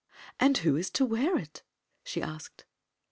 "And who is to wear it?" she asked.